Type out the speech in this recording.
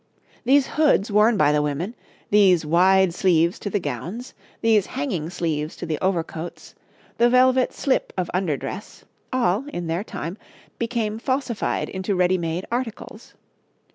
These hoods worn by the women, these wide sleeves to the gowns, these hanging sleeves to the overcoats, the velvet slip of under dress, all, in their time, became falsified into ready made articles.